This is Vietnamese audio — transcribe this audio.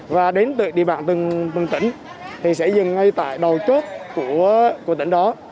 và đến từ địa bàn từng tỉnh thì sẽ dừng ngay tại đầu chốt của tỉnh đó